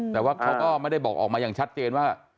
แต่คือคุณตังโมก็ไม่ได้บอกมายังชัดเจนว่า